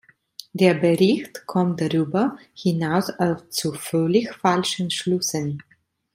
Der Bericht kommt darüber hinaus zu völlig falschen Schlüssen.